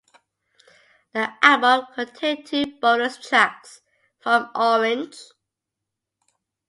The album contained two bonus tracks from "Orange".